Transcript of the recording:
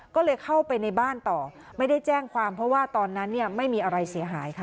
ก็เลยเข้าไปในบ้านต่อไม่ได้แจ้งความเพราะว่าตอนนั้นเนี่ยไม่มีอะไรเสียหายค่ะ